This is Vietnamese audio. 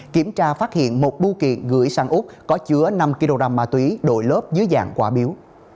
kiểm tra phát hiện một bưu kiện gửi sang úc có chứa năm kg ma túy đội lớp dưới dạng quả biếu